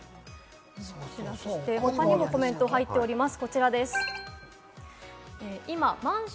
他にもコメントが入っています。